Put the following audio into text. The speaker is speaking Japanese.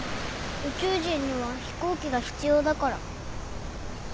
宇宙人には飛行機が必要だから。